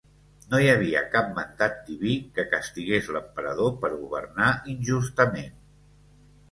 No hi havia cap mandat diví que castigués l'emperador per governar injustament.